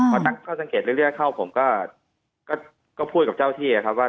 พอตั้งข้อสังเกตเรื่อยเข้าผมก็พูดกับเจ้าที่ครับว่า